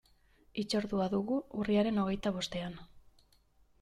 Hitzordua dugu urriaren hogeita bostean.